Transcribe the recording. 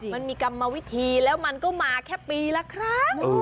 มันมีกรรมวิธีแล้วมันก็มาแค่ปีละครั้ง